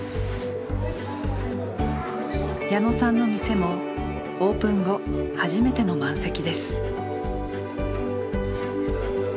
矢野さんの店もオープン後初めての満席です。